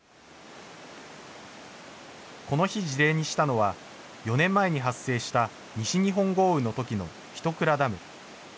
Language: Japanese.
この日、事例にしたのは、４年前に発生した西日本豪雨のときの一庫ダム。